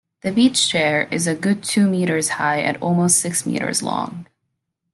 The beach chair is a good two meters high and almost six meters long.